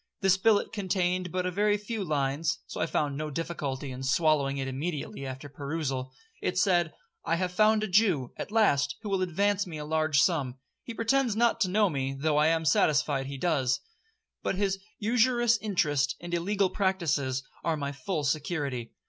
This billet contained but a very few lines, (so I found no difficulty in swallowing it immediately after perusal). It said, 'I have found a Jew, at last, who will advance me a large sum. He pretends not to know me, though I am satisfied he does.—But his usurious interest and illegal practices are my full security.